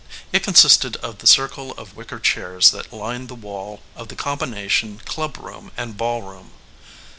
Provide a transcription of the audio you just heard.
It consisted of the circle of wicker chairs that lined the wall of the combination clubroom and ballroom.